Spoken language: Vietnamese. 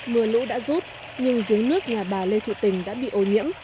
mưa lũ đã rút nhưng giếng nước nhà bà lê thị tình đã bị ô nhiễm